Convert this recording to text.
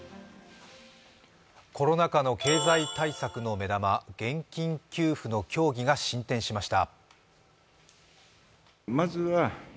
コロナ禍の経済対策の目玉、現金給付の協議が進展しました。